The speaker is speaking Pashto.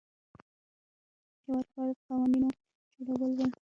د هیواد لپاره د قوانینو جوړول وه.